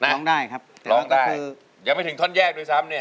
ร้องได้ยังไม่ถึงท่อนแยกด้วยซ้ำเนี่ย